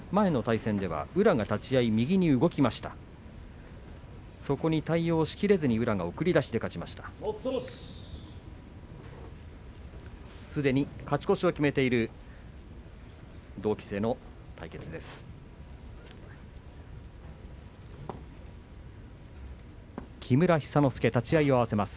すでに勝ち越しを決めている、同期生の対決です。